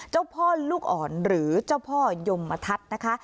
เจ้าพ่อลูกอ่อนหรือเจ้าพ่อยมทัศน์นะคะ